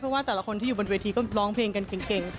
เพราะว่าแต่ละคนที่อยู่บนเวทีก็ร้องเพลงกันเก่ง